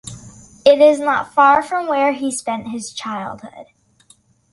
It is not far from where he spent his childhood.